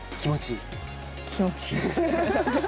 気持ちいいです。